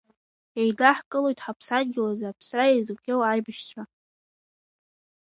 Еидаҳкылоит ҳаԥсадгьыл азы аԥсра иазыхиоу аибашьцәа.